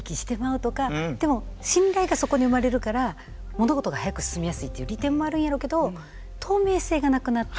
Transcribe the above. でも信頼がそこに生まれるから物事が早く進みやすいという利点もあるんやろうけど透明性がなくなったり。